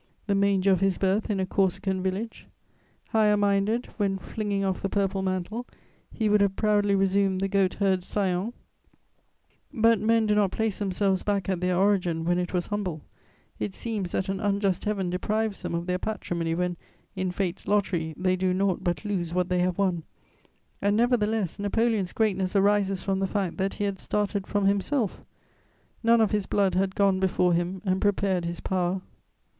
The manger of his birth in a Corsican village. Higher minded, when flinging off the purple mantle, he would have proudly resumed the goat herd's sayon; but men do not place themselves back at their origin when it was humble; it seems that an unjust Heaven deprives them of their patrimony when, in fate's lottery, they do naught but lose what they have won; and nevertheless Napoleon's greatness arises from the fact that he had started from himself: none of his blood had gone before him and prepared his power.